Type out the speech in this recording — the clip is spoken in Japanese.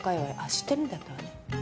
知ってるんだったわね。